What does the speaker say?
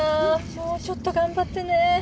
もうちょっと頑張ってね。